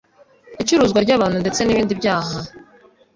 icuruzwa ry’abantu ndetse n’ibindi byaha